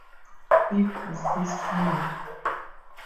It was his move.